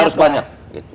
harus banyak gitu